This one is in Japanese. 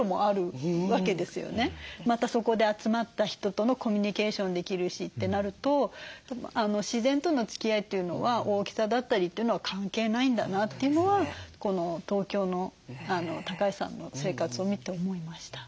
またそこで集まった人とのコミュニケーションできるしってなると自然とのつきあいというのは大きさだったりというのは関係ないんだなっていうのはこの東京の橋さんの生活を見て思いました。